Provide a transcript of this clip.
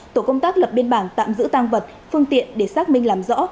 tổ công tác lập biên bản tạm giữ tăng vật phương tiện để xác minh làm rõ